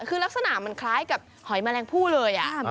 คือลักษณะมันคล้ายกับหอยแมลงผู้เลย